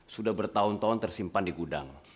sudah bertahun tahun tersimpan di gudang